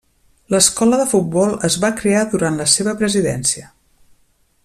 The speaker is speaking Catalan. L'escola de Futbol es va crear durant la seva presidència.